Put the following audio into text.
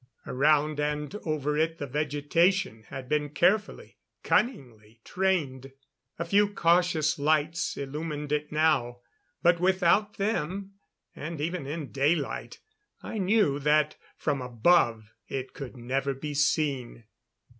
Around and over it the vegetation had been carefully, cunningly trained. A few cautious lights illumined it now; but without them, and even in daylight, I knew that from above it could never be seen.